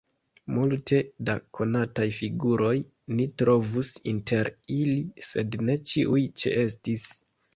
Multe da konataj figuroj ni trovus inter ili, sed ne ĉiuj ĉeestis.